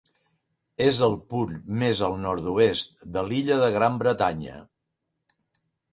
És el punt més al nord-oest de l'illa de Gran Bretanya.